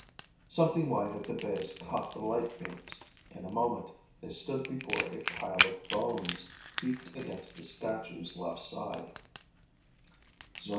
Something white at the base caught the light beams. In a moment they stood before a pile of bones, heaped against the statue's left side.